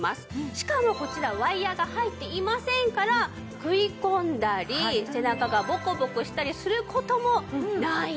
しかもこちらワイヤが入っていませんから食い込んだり背中がボコボコしたりする事もないんです。